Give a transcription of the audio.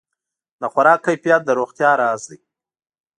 د خوراک کیفیت د روغتیا راز دی.